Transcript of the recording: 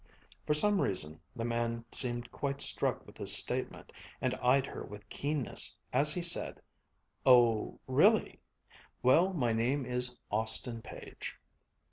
For some reason the man seemed quite struck with this statement and eyed her with keenness as he said: "Oh really? Well, my name is Austin Page."